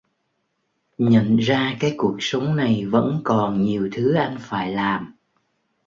Nhận ra cái cuộc sống này vẫn còn nhiều thứ anh phải làm